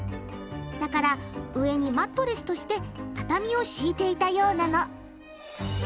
だから上にマットレスとして畳を敷いていたようなの。